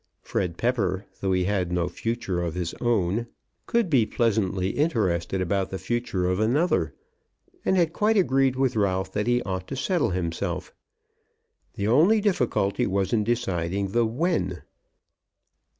Fred Pepper, though he had no future of his own, could he pleasantly interested about the future of another, and had quite agreed with Ralph that he ought to settle himself. The only difficulty was in deciding the when.